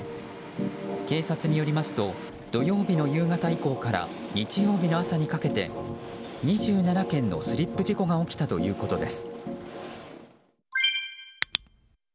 警察によりますと土曜日の夕方以降から日曜日の朝にかけて２７件のスリップ事故が起きたということです。